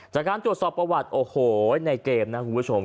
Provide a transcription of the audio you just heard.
จากการตรวจสอบประวัติโอ้โหในเกมนะคุณผู้ชม